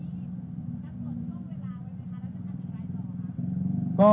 ถ้าที่นี่นักศึกษาตอบไว้ลาไว้นะคะแล้วจะการยังไงต่อครับ